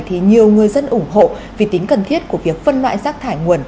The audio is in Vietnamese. thì nhiều người dân ủng hộ vì tính cần thiết của việc phân loại rác thải nguồn